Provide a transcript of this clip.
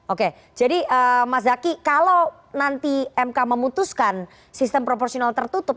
oke jadi mas zaky kalau nanti mk memutuskan sistem proporsional tertutup